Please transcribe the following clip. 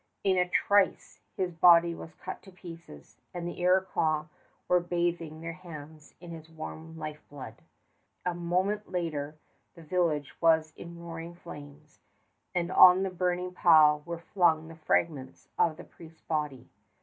In a trice his body was cut to pieces, and the Iroquois were bathing their hands in his warm lifeblood. A moment later the village was in roaring flames, and on the burning pile were flung the fragments of the priest's body.